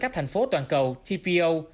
các thành phố toàn cầu tpo